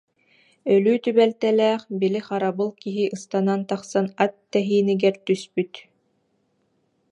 Өлүү түбэлтэлээх, били харабыл киһи ыстанан тахсан ат тэһиинигэр түспүт